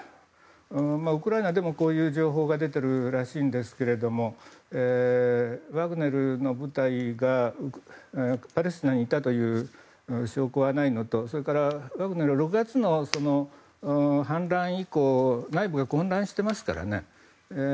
ウクライナでもこういう情報が出ているらしいんですけどもワグネルの部隊がパレスチナにいたという証拠はないのとそれからワグネルは６月の反乱以降内部が混乱していますからね。